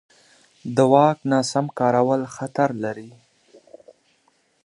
د واک ناسم کارول خطر لري